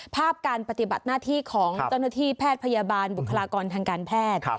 ภาพการปฏิบัติหน้าที่ของเจ้าหน้าที่แพทย์พยาบาลบุคลากรทางการแพทย์